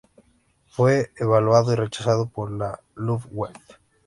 Fue evaluado y rechazado por la Luftwaffe.